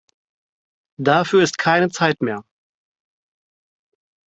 Dafür ist keine Zeit mehr.